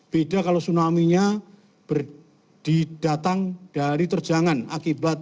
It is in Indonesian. beda kalau tsunami nya berdidatang dari daerah tersebut berasal dari daerah tersebut beda kalau